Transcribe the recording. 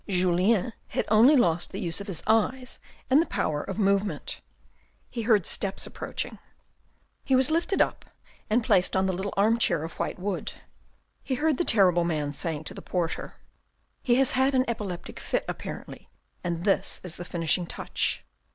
Julien had only lost the use of his eyes and the power of movement. He heard steps approaching. He was lifted up and placed on the little armchair of white wood. He heard the terrible man saying to the porter, " He has had an epileptic fit apparently, and this is the finishing touch."